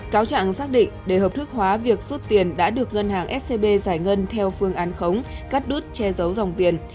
cáo trạng xác định để hợp thức hóa việc rút tiền đã được ngân hàng scb giải ngân theo phương án khống cắt đứt che giấu dòng tiền